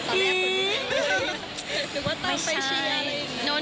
ตอนแรกคือไม่ใช่